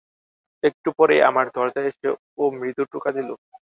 একটু পরেই আমার দরজায় এসে ও মৃদু টোকা দিল।